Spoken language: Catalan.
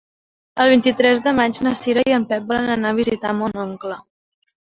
El vint-i-tres de maig na Cira i en Pep volen anar a visitar mon oncle.